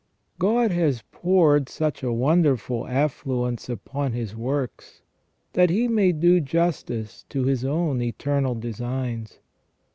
God has poured such a wonderful affluence upon His works that He may do justice to His own eternal designs.